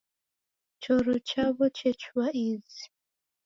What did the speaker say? Choro chaw'o chechua izi.